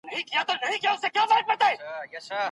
په سفر کې ممکن لمر له نورو سیارو سره ټکر وکړي.